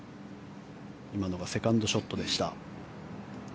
今のがセカンドショットでした。